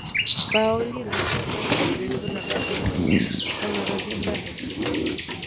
Paoli rechaza de momento la ruptura con la nación francesa.